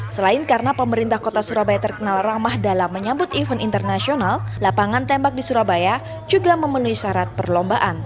selain karena pemerintah kota surabaya terkenal ramah dalam menyambut event internasional lapangan tembak di surabaya juga memenuhi syarat perlombaan